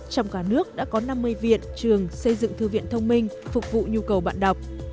trong cả nước đã có năm mươi viện trường xây dựng thư viện thông minh phục vụ nhu cầu bạn đọc